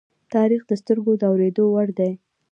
تاریخ د سترگو د اوریدو وړ دی.